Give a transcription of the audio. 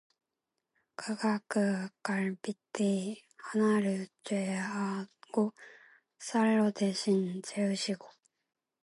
그가 그 갈빗대 하나를 취하고 살로 대신 채우시고